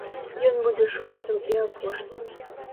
Ён будзе шостым і апошнім.